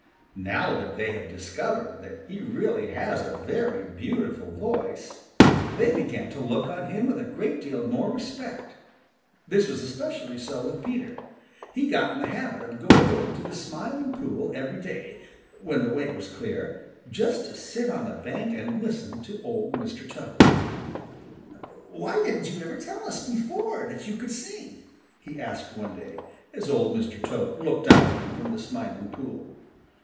Now that they had discovered that he really has a very beautiful voice, they began to look on him with a great deal more respect. This was especially so with Peter. He got in the habit of going over to the Smiling Pool every day, when the way was clear, just to sit on the bank and listen to Old Mr. Toad. "Why didn't you ever tell us before that you could sing?" he asked one day, as Old Mr. Toad looked up at him from the Smiling Pool.